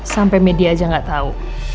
sampai media aja enggak tau